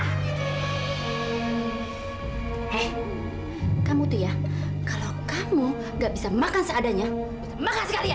hehehe kamu tuh ya kalau kamu gak bisa makan seadanya makan sekali ya